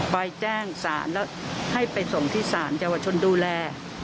ไปแจ้งศาลแล้วให้ไปส่งที่ศาลเยาวชนดูแล